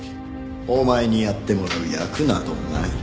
お前にやってもらう役などない。